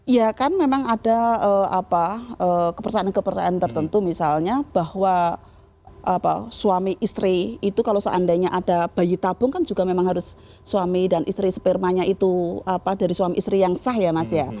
ya kan memang ada kepercayaan kepercayaan tertentu misalnya bahwa suami istri itu kalau seandainya ada bayi tabung kan juga memang harus suami dan istri spermanya itu dari suami istri yang sah ya mas ya